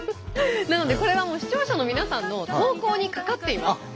なのでこれはもう視聴者の皆さんの投稿にかかっています。